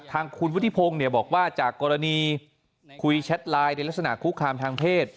ทางคุณวุฒิพงศ์เนี่ยบอกว่าจากกรณีคุยแชทไลน์ในลักษณะคุกคามทางเพศ